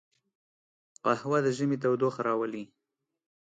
قهوه د ژمي تودوخه راولي